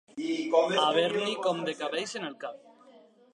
Haver-n'hi com de cabells en el cap.